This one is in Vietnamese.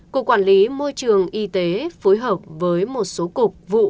cục quản lý môi trường y tế phối hợp với một số cục vụ